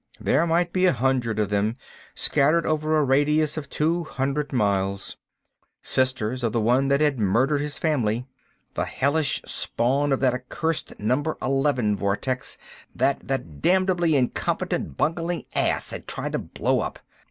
There might be a hundred of them, scattered over a radius of two hundred miles. Sisters of the one that had murdered his family—the hellish spawn of that accursed Number Eleven vortex that that damnably incompetent bungling ass had tried to blow up....